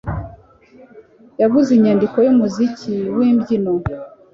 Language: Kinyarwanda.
Yaguze inyandiko yumuziki wimbyino.